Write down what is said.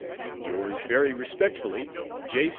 Yours very respectfully, J.